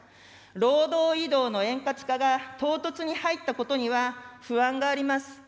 労働移動の円滑化が唐突に入ったことには、不安があります。